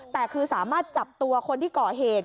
แต่คือสามารถจับตัวคนที่ก่อเหตุ